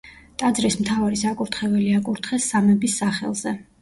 ტაძრის მთავარი საკურთხეველი აკურთხეს სამების სახელზე.